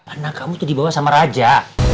anak kamu itu dibawa sama raja